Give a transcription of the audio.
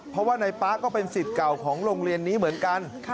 เพราะว่านายป๊าก็เป็นสิทธิ์เก่าของโรงเรียนนี้เหมือนกัน